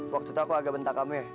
waktu itu aku agak bentar kamu ya